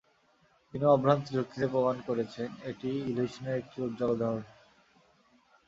তিনি অভ্রান্ত যুক্তিতে প্রমাণ করেছেন, এটি ইলিউশনের একটি উজ্জ্বল উদাহরণ।